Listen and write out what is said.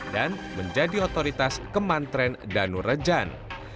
dan menjadi otoritas kemantren danu rejan